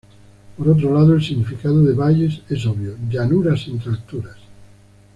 Por otro lado, el significado de Valles es obvio, "llanuras entre alturas".